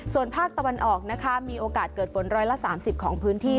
ส่วนภาคตะวันออกนะคะมีโอกาสเกิดฝนร้อยละ๓๐ของพื้นที่